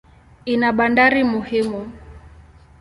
Ina bandari muhimu.